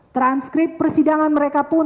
transkrip persidangan mereka pun